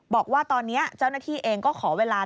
บอกว่าตอนนี้เจ้าหน้าที่เองก็ขอเวลา